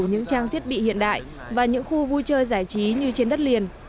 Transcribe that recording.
những trang thiết bị hiện đại và những khu vui chơi giải trí như trên đất liền